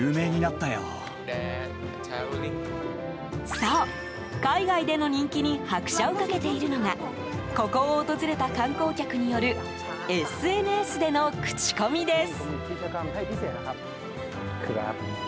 そう、海外での人気に拍車をかけているのがここを訪れた観光客によるＳＮＳでの口コミです。